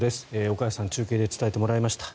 岡安さんに中継で伝えてもらいました。